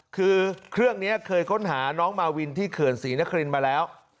คือเครื่องนี้เคยค้นหาน้องมาวินที่เขื่อนศรีนครินมาแล้ว